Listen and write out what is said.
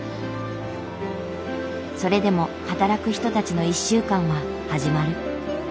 それでも働く人たちの１週間は始まる。